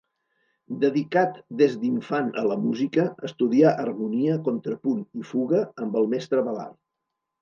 Dedicat des d'infant a la música, estudià harmonia, contrapunt i fuga amb el mestre Balart.